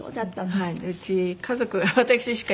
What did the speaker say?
はい。